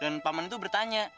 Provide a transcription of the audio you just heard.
dan paman itu bertanya